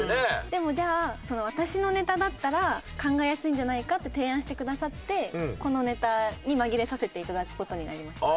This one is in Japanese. でもじゃあ私のネタだったら考えやすいんじゃないかって提案してくださってこのネタに紛れさせていただく事になりました。